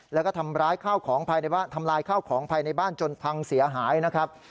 แล้วก็ทำลายข้าวของภายในบ้านจนพังเสียหายนะครับ